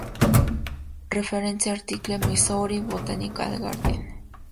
Reference article Missouri Botanical Garden.